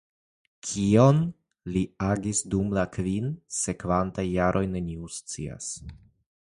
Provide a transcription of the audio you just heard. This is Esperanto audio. Kion li agis dum la kvin sekvantaj jaroj neniu scias.